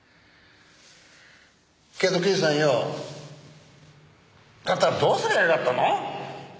けど刑事さんよだったらどうすりゃよかったの？